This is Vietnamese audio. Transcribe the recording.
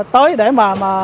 tới để mà